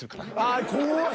わあ怖い。